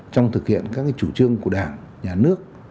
trong thực hiện các chủ trương của đảng nhà nước